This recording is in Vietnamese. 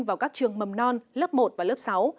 vào các trường mầm non lớp một và lớp sáu